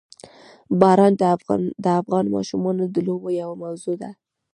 باران د افغان ماشومانو د لوبو یوه موضوع ده.